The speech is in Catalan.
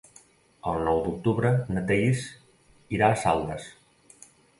El nou d'octubre na Thaís irà a Saldes.